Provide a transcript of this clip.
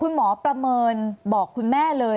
อันดับที่สุดท้าย